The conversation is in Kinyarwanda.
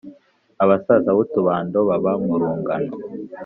abasaza b’utubando baba mu rungano